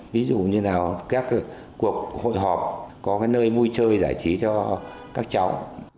ví dụ như nào các cuộc hội họp có cái nơi vui chơi giải trí cho các cháu